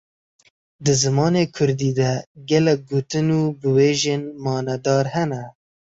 Di zimanê kurdî de gelek gotin û biwêjên manedar hene.